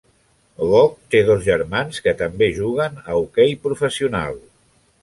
Goc té dos germans que també juguen a hoquei professional.